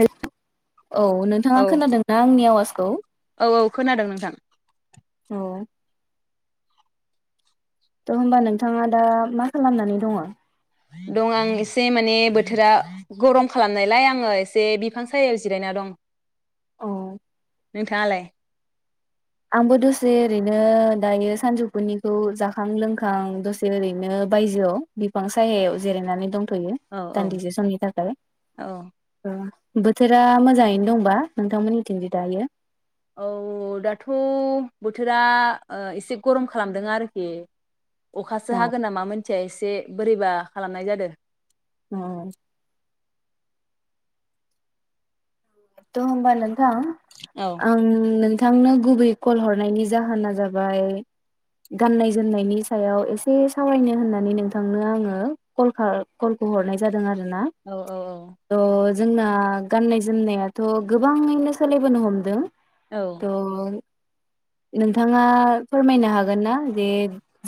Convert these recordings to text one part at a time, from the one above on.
हेल औ नोंथाङा औ खोनादोंना आंनि आवाज औ। औ औ खोनादों नोंथां। औ। थ होमबा नोंथाङा दा मा खालामनानै दङ? दं आं एसे माने बोथोरा गरम खालामनायलाय आङो एसे बिफां सायायाव जिरायना दं। औ। नोंथाङालाय? आंबो दसे ओरैनो दायो सानजौफुनिखौ जाखां लोंखां दसे ओरैनो बायजोआव बिफां सायायाव जिरायनानै दं। थ शयो औ औ दान्दिसे समनि थाखाय ओ बोथोरा मोजाङैनो दंबा नोंथांमोननिथिंदि दायो? औ दाथ बोथोरा ओ एसे गरम खालामदों आरोखि अ अखासो हागोन ना मा मोनथिया एस एसे बोरैबा खालामनाय जादो। अ थ' होमबा नों थां औ आं नों नोंथांनो गुबै कल हरनायनि जाहोना जाबाय गाननाय जोमनायनि सायाव एसे सावरायनो होननानै नोंथांनो आङो कलखा कलखो हरनाय जादों आरो। ना औ औ ओ जोंना गाननाय जोमनाया थ गोबांङैनो सोलिबोनो हमदों औ द। नोंथाङा फोरमायनो हागोन ना? जे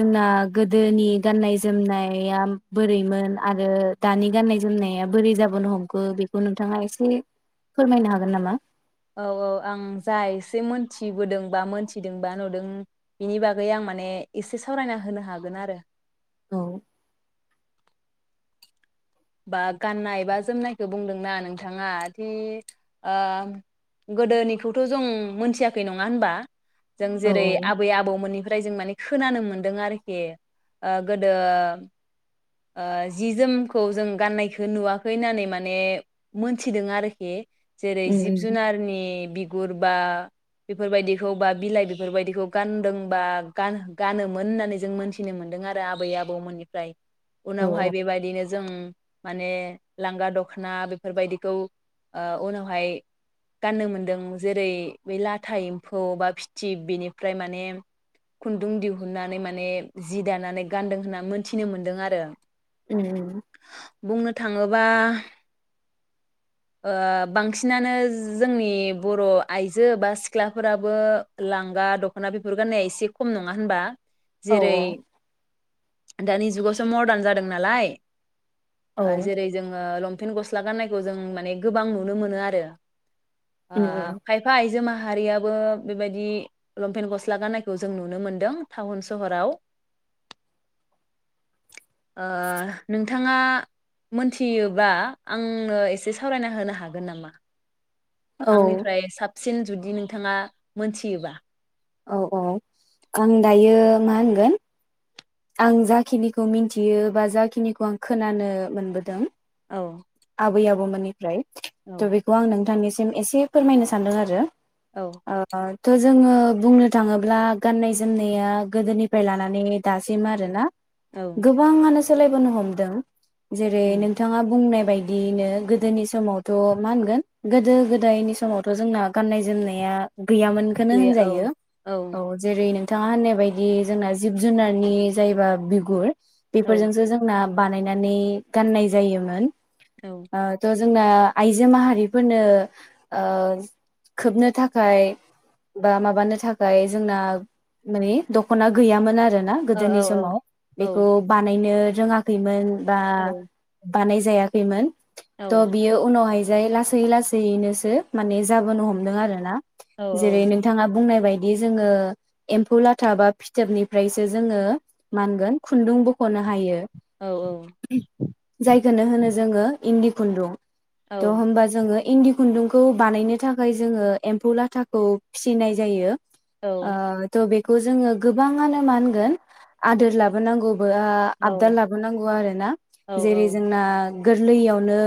जोंना गोदोनि गाननाय जोमनाया बोरैमोन आरो दानि गाननाय जोमनाया बोरै जाबोनो हमखो बेखौ नोंथाङा एसे फोरमायनो हागोन नामा? औ औ आं जा एसे मोनथिबोदों बा मोनथिदों बा नुदों बेनि बागै आं माने एसे सावरायना होनो हागोन आरो औ। बा गाननाय बा जोमनायखौ बुंदोंना नोंथाङा दि ओ गोदोनिखौथ जों मोनथियाखै नङा होनबा? जों औ जेरै आबै आबौमोननिफ्राय [unintelligible] जों माने खोनानो मोनदों आरोखि ओ गोदो ओ जि जोमखौ जों गाननायखौ नुवाखै होननानै माने मोनथिदों आरोखि जेरै जिब उम जुनारनि बिगुर बा बेफोरबायदिखौ बा बिलाइ बेफोरबायदिखौ गानदोंबा गान-गानोमोन होननानै जों मोनथिनो मोन्दों आरो आबै आबौमोननिफ्राय। उम उनावहाय बेबायदिनो जों माने लांगा दखना बेफोरबायदिखौ ओ उनावहाय गाननो मोनदों जेरै बै लाथा एम्फौ बा फिथिब बेनिफ्राय माने खुन्दुं दिहुननानै माने जि दानानै गानदों होनना मोन्थिनो मोन दों आरो उम बुंनो थाङोबा ओ बांसिनानो जोंनि बर' आइजो बा सिख्लाफोराबो लांगा दखना बेफोर गाननाया एसे खम नङा होनबा? औ जेरै दानि जुगाव थ मर्दान जादों नालाय औ ओ जेरै जोङो पेन गस्ला गाननायखौ जों माने गोबां नुनो मोनो आरो उम उम खायफा आइजो मा हारियाबो बेबायदि लंपेन गस्ला गाननायखौ जों नुनो मोनदों टाउन सहराव। ओ नोंथाङा मोनथियोबा आंनो एसे सावरायना होनो हागोन नामा? औ आंनिफ्राय साबसिन जुदि नोंथाङा मोनथियोबा औ औ आं दायो मा होनगोन आं जाखिनिखौ मिनथियो बा जाखिनिखौ आं खोनानो मोनबोदों औ आबै आबौ मोननि फ्राय थ औ बेखौ आं नोंथांनिसि सिम एसे फोरमायनो सान्दों आरो औ [inaudible] जोङो बुंनो थाङोब्ला गाननाय जोमनाया गोदोनिफ्राय लानानै दासिम आरो ना औ गोबांआनो सोलायबोनो हमदों जेरै नोंथाङा बुंनाय बायदिनो गोदोनि समावथ मा होनगोन गोदो गोदायनि समावथ जोंना गाननाय जोमनाया गैयामोनखौनो गैया औ होनजायो औ जेरै नों बिथाङा होननाय बायदि जोंना जिब जुनारनि जायोबा बिगुर औ बेफोरजोंसो जोंना बानायनानै गाननाय जायोमोन। औ [unintelligible] जोंना आइजो माहारिफोरनो खोबनो थाखाय बा माबानो थाखाय जोंना माने दखना गैयामोन आरो ना औ गोदोनि समाव औ बेखौ बानायनो रोङाखैमोन दा औ बानाय जायाखैमोन त बियो उनावहाय जाय लासै लासैनोसो माने जाबोनो हमदों आरो ना। औ औ जेरै नोंथाङा बुंनाय बायदि बि जोङो एम्फौ लाथा बा फिथोबनि ओमफ्रायसो जोङो मोनगोन खुन्दुं बखनो बायो औ जायखौनो होनो जोङो इन्दि खुन्दुं द होनबा जोङो इन्दि खुन्दुंखौ बानायनो थाखाय जोङो एम्फौ लाथाखौ फिसिनाय जायो। आ थ बे खौ जोङो गोबाङानो मा होनगोन आदोर लाबोनांगौ बोआ आबदाल लाबोनांगौ आरो ना जेरै जोंना गोरलैयावनो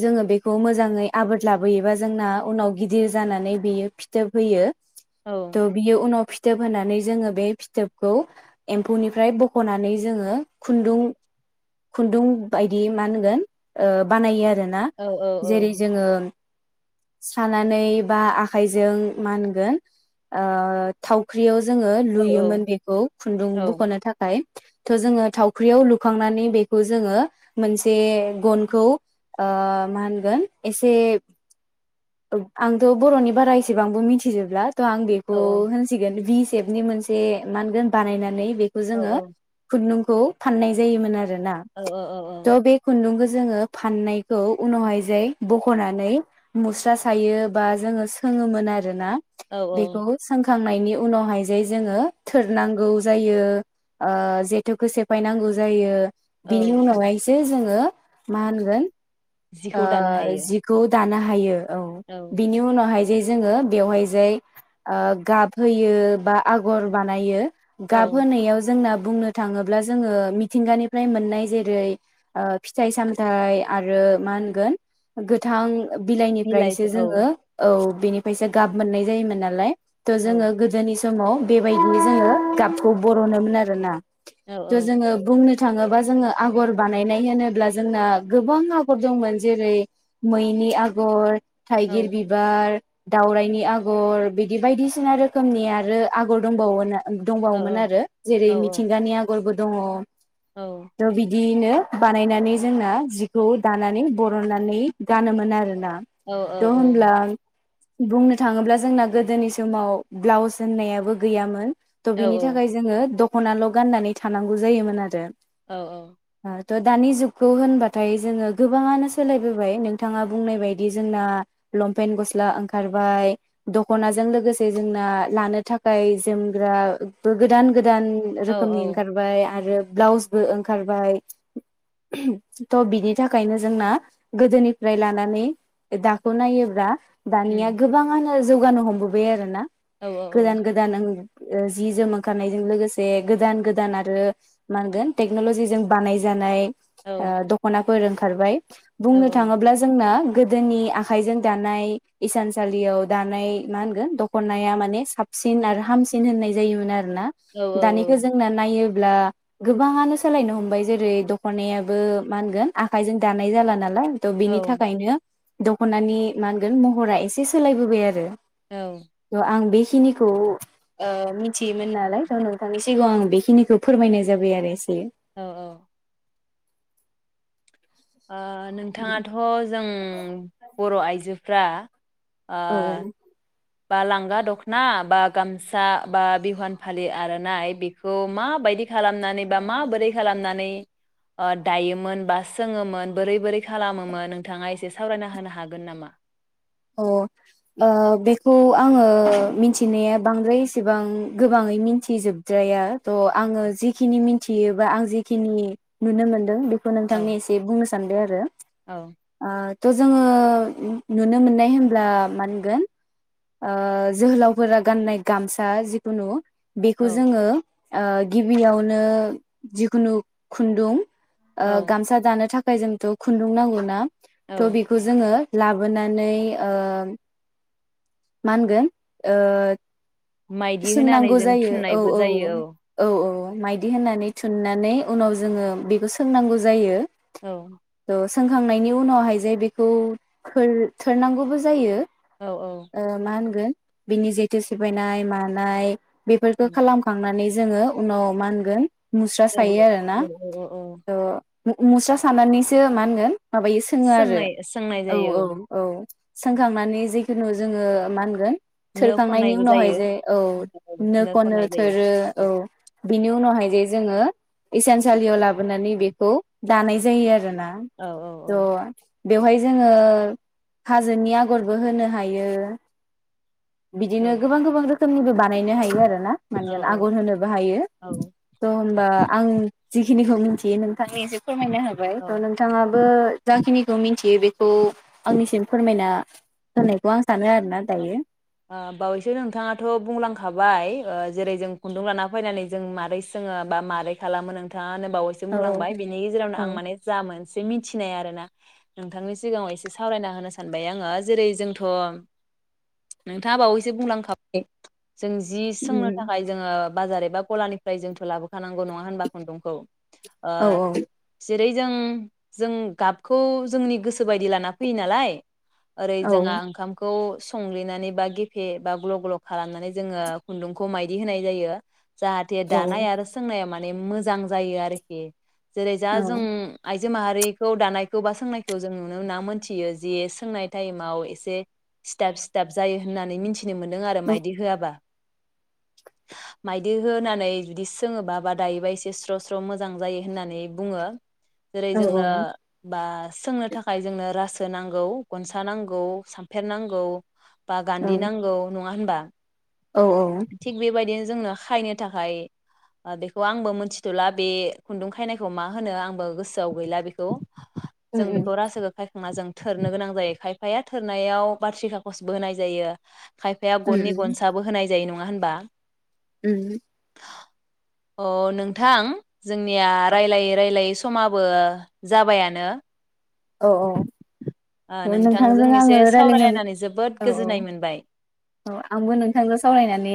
जोङो बेखौ मोजाङै आबोद लाबोयोबा जोंना उनाव गिदिर जानानै बेयो फिथोब होयो थ बियो उनाव फिद फिथोब होननानै जोङो बे फिथोबखौ एम्फौनिफ्राय बखनानै जोङो खुन्दुं खुन्दुं बायदि मा होनगोन ओ बानायोआरो दाना जेरै जोङो सानानै बा आखाइजों मा होनगोन ओ थावख्रियाव जोङो लुयोमोन बेखौ खुन्दुं बखनो थाखाय थ जोङो थावख्रियाव लुखांनानै बेखौ जोङो मोनसे गनखौ ओ मा होनगोन एसे ओग आंथ बरनि बारा एसेबांबो मिथिजोबला थ आं बेखौ होनसिगोन बि थेबनि मोनसे मा होनगोन बानायनानै बेखौ जोङो खुन्दुं खौ फाननाय जायोमोन आरो आरो ना औ थ बे खुन्दुंखो जो जोङो फाननायखौ उनावहाय जाय बखनानै मुस दा सायो बा जोङो सोङोमोन आरो ना औ बेखौ सोंखा [unintelligible] खांनायनि उनावहाय जे जोङो थोरनांगौ जायो आ जेथोखौ सेफायनांगौ जायो औ बिनि उनावहाय जे जोङो मा होनगोन जिखौ दानो ओ हायो जिखौ दानो हा हायो औ बिनि उनावहाय जे जोङो बेवहाय जाय गाब होयो बा आगर बानायो औ गाब होनायाव जोंनाब बुंनो थाङोब्ला जोङो मिथिंगानिफ्राय मोननाय जेरै ओ फिथाइ सामथायाइ आरो मा होनगोन गोथां बिलाइनिफ्रायसो बिलाइखौ जोङो औ। बेनिफ्रायसो गाब मोननाय जायोमोन नालाय थ' औ जोङो गोदोनि समाव बेबायदि जोङो गाबखौ बरनोमोन आरोना। औ थ जोङो बुंनो थाङोबा जोङो आगर बानायनाय होनोब्ला जोंना गोबां आ फोर दंमोन जेरै मैनि आगर औ थाइगिर बिबार दावरायनि आगर बिदि बायदिसिना रोखोमनि आरो आगर दंबावोन औ दंबावोमोन आरो जेरै औ मिथिंगानि आगरबो दङ'। द बिदि बिनो बानायनानै जोंना जिखौ दानानै बरननानै गानोमोन आरोना औ थ' होमब्ला बुंनो थाङोब्ला जोंना गोदोनि समाव ब्लाउस होननायाबो गैयामोन। त औ बिनि थाखाय जोङो द ख'नाल गाननानै थानांगौ जायोमोन आरो। औ औ। थ दानि जुगखौ होनबाथाय जोङो गोबाङानो सोलायबोबाय नोंथाङा बुंनाय बायदि जोंना लंपेन गस्ला ओंखारबाय दखनाजों लोगोसे जोंना लानो थाखाय जोमग्रा गोदान गो गोदान औ रोखोमनि औ ओंखारबाय आरो ब्लाउसबो ओंखारबाय थ' बिनि थाखायनो जोंना गोदोनिफ्राय लानानै दाखौ नायोब्ला दानिया उम गोबाङानो जौगानो हमबोबाय आरो ना? औ गोदान गोदान ओं ओ जि जोम ओंखारनायजों लोगोसे गोदान गोदान आरो मानगोन टेक्नलजिजों बानायजानाय औ आ दखना फोर ओंखारबाय। औ बुंनो थाङोब्ला जोंना गोदोनि आखाइजों दानाय इसानसालियाव दानाय ना होनगोन दखनाया माने साबसिन आरो हामसिन होननाय जायोमोन आरो। आरोना औ दानिखौ जोंना नायोब ब्ला गोबाङानो सालायनो हमबाय जेरै दखनायाबो मा होनगोन आखाइजों दानाय जाला नालाय थ' औ बिनि थाखायनो दखनानि मा होनगोन महरा एसे सोलायबोबाय आरो [inaudible] ओ आं बेस खिनिखौ मिथियोमोन नालाय थ नोंथांनि सिगाङाव आं बेखिनिखौ फोरमायनाय जाबाय आरो औ औ नोंथाङाथ जों बर आइजोफ्रा ओ अ बा लांगा दखना बा गामसा बा बिहवान फालि आरनाइ बेखौ माबायदि खालामनानै बा माबोरै खालामनानै दायोमोन बा सोङोमोन बोरै बोरै खालामोमोन नोंथाङा एसे सावरायना होनो हागोन नामा अ बेखौ आङो मिथिनाया बांद्राय एसेबां गोबाङै मिथिजोबद्राया थ आङो जिखिनि मिथियोबा आं जिेखिनि नुनो मोनदों औ नोंथांनो एसे बुंनो स सानदो आरो औ ओ थ जोङो नुनो मोननाय होनब्ला मा होनगोन ओ जोहोलावफोरा गाननाय गामसा जिखुनु बेखौ औ जोङो गिबियावनो जिखुनु खुन्दुं औ गामसा दानो थाख [unintelligible] जोंथ खुन्दुं नांगौ ना थ औ बेखौ जोंङो लाबो मोननानै ओ मा होनगोन ओ माइदि होनानै सोंनांगौ जों जायो औ थुननायबो औ जायो औ औ माइदि होननानै थुननानै उनाव जोंङो बेखौ सोंनांगौ जायो औ थ' सोंखांनायनि उनावहाय जे बेखौ थोर थोरनांगौबो जायो‌ औ ओ मानगोन बिनि जेथु सिफायनाय मानाय बेफोरखौ औ। खालामखांनानै जोङो उनाव मा होनगोन मुस्रा जोबो सायो आरोना औ औ औ औ थ मु-मुस्रा सानानैसो मा होनगोन? माबायो सोङो आरो सोंनाय सोंनाय औ जायो औ औ सोंखांनानै जेखुनु जोङो मानगोन नो थोरखांनायनि खननायबो उनावहाय जायो जे औ नो खनो थोरो औ। बिनि उनावहाय जे जोङो एसेनसालियाव लाब बोनानै बेखौ दानाय जायो आरो ना। औ औ औ बेवहाय जोङो हाजोनि आगरबो होनो हायो। औ बिदिनो गोबां गोबां रोख [unintelligible] बानायनो हायो आरोना मानगोन आगर होनोबो हायो। औ त होमबा आं जिखिनिखौ मिन्थियो नोंथांनि एसे फोरमायना होबाय औ त नोंथाङाबो जाखिनिखौ मिन्थियो बे खौ आंनिसिम फोरमायना होननायखौ आं सानो आरोना दायो औ बावैसो नोंथाङाथ' बुंलांखाबाय ओ जेरै जों खुन्दुं लाना फैनानै जों मारै सोङो बा मारै खालामो नोंथाङानो बावैसो औ बुंलांबाय बिनि गेजेरावनो औ आं माने जा मोन एसे मिथिनाय आरो ना नोंथांनि सिगाङाव एसे सावरायना होनो सानबाय आङो जेरै जोंथ नोंथाङा बावैसो बुंलांखाबाय जों जि सोंनो थाखाय जोंङो बाजार एबा गलानिफ्राय जोंथ लाबोखानांगौ नङा होनबा खुन्दुंखौ ओ औ औ जेरै जों जों गाबखौ जोंनि गोसो बायदि लाना फैयो नालाय ओरै जोंहा ओंखामखौ संग्लिनानै बा गेफे बा ग्ल ग्ल खालामनानै जोङो खुन्दुंखौ माइदि होनाय जायो। जाहाथे औ दानाय आरो सोंनाया मान माने मोजां जायो आरोखि जेरै जा औ जों आइ आइजो माहारिखौ दानायखौ बा सोंनायखौ जों नुनो मोना मोनथियो जे सोंनाय टाइमाव एसे सिथाब सिथाब जायो होन्नानै मिथि [unintelligible] मोन्दों आरो मायदि होआबा। माइदि होनानै जुदि सोङोबा बा दायोबा एसे स्र स्र मोजां जायो होननानै बुङो जेरै औ जोंनो बा सोंनो थाखाय जोंनो रास नांगौ गनसा नांगौ सामफे फेरनांगौ बा गान्धि नांगौ न नङा होनबा औ थिग बेबायदिनो जोंनो खायनो थाखाय बेखौ आंबो मोनथिथला बे खुन्दुं खायनायखौ मा होनो आंबो गोसोआव गैला बेखौ। जों बेखौ रासोजों खायखांना जों थोरनो गोनां जायो खायफाया थोरनाय। नायाव बाथ्रि खाखजबो होनाय जायो। खायफाया गननि गनसाबो होनाय जायो नङा होनबा उम। अ नोंथां जोंनिया रायलायै रायलायै समाबो जाबायानो। औ ओ औ। नोंथांजों एसे आङो रायलायना सावरायलायनानै जोबोद औ औ गोजोननाय मोनबाय। औ आंबो नोंथांजों सावरायनानै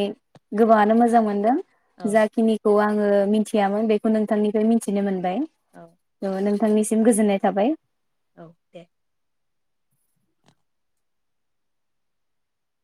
गोबां आ नो मोजां मोनदों औ जाखिनिखौ आं। आङो मिथियामोन बेखौ नोंथांनिफ्राय मिथिनो मोन औ [unintelligible] नोंनिसिम गोजोननाय थाबाय औ दे।